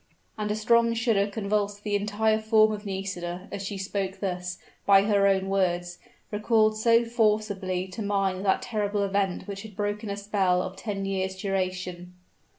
And a strong shudder convulsed the entire form of Nisida, as she thus, by her own words, recalled so forcibly to mind that terrible event which had broken a spell of ten years' duration.